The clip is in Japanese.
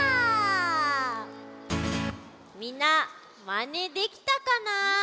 みんなまねできたかな？